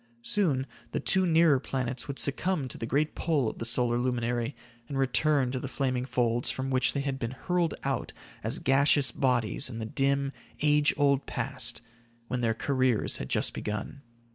Soon, the two nearer planets would succumb to the great pull of the solar luminary and return to the flaming folds, from which they had been hurled out as gaseous bodies in the dim, age old past, when their careers had just begun.